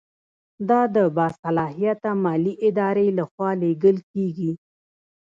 دا د باصلاحیته مالي ادارې له خوا لیږل کیږي.